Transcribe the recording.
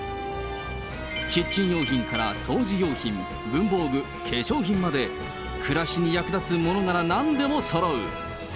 キッチン用品から掃除用品、文房具、化粧品まで、暮らしに役立つものならなんでもそろう。